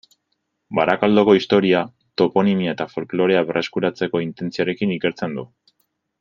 Barakaldoko historia, toponimia eta folklorea berreskuratzeko intentzioarekin ikertzen du.